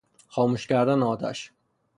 خاموش کردن آتش